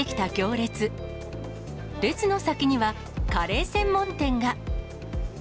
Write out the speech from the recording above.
列の先には、カレー専門店が。